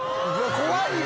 怖いよ！